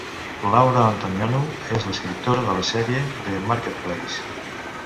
Laura Antoniou és escriptora de la sèrie "The Marketplace"